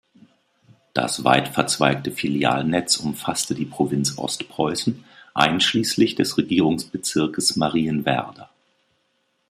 Das weit verzweigte Filialnetz umfasste die Provinz Ostpreußen, einschließlich des Regierungsbezirkes Marienwerder.